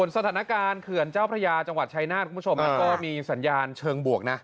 สถานการณ์เขื่อนเจ้าพระยาจังหวัดชัยนาธมันก็มีสัญญาณเชิงบวก